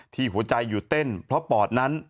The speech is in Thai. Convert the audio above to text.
หัวใจหยุดเต้นเพราะปอดนั้น